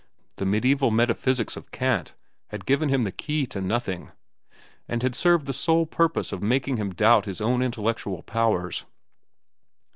The medieval metaphysics of Kant had given him the key to nothing, and had served the sole purpose of making him doubt his own intellectual powers.